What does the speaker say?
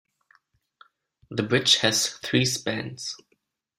The bridge has three spans.